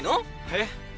えっ？